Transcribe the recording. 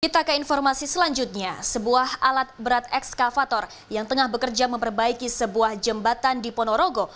kita ke informasi selanjutnya sebuah alat berat ekskavator yang tengah bekerja memperbaiki sebuah jembatan di ponorogo